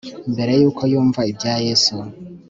mbere y'uko yumva ibya yesu